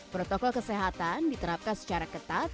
protokol kesehatan diterapkan secara ketat